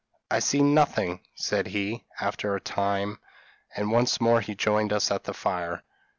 'I see nothing,' said he, after a time, and once more he joined us at the fire.